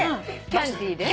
キャンティで？